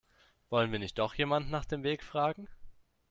Wollen wir nicht doch jemanden nach dem Weg fragen?